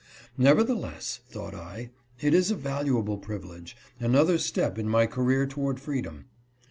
" Nevertheless," thought I, " it is a valuable privilege — another step in my career toward freedom."